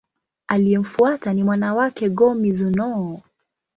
Aliyemfuata ni mwana wake, Go-Mizunoo.